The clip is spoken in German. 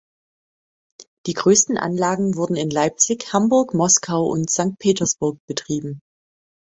Die größten Anlagen wurden in Leipzig, Hamburg, Moskau und Sankt Petersburg betrieben.